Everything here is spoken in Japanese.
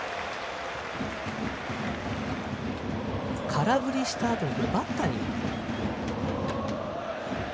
空振りしたあとバッターに。